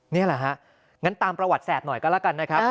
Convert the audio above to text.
นี่แหละฮะงั้นตามประวัติแสบหน่อยก็แล้วกันนะครับ